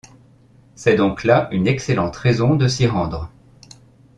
C'est donc là une excellente raison de s'y rendre.